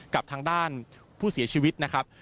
กับทางด้านผู้เสียชีวิตนะครับ